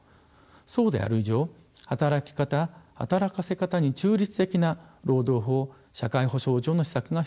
そうである以上働き方働かせ方に中立的な労働法・社会保障上の施策が必要です。